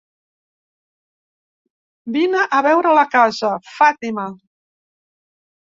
Vine a veure la casa, Fàtima.